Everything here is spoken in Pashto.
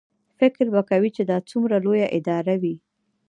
فکر به کوې چې دا څومره لویه اداره وي.